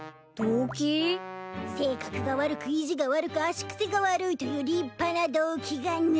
性格が悪く意地が悪く足癖が悪いという立派な動機がね！